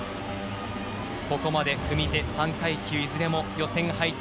ここまで組手３階級いずれも予選敗退。